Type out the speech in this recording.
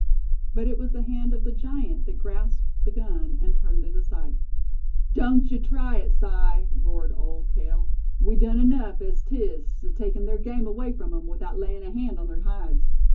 But it was the hand of the giant that grasped the gun, and turned it aside. "Don't ye try it, Si," roared Old Cale. "We done enuff as 'tis, atakin' ther game away from 'em, without layin' a hand on ther hides.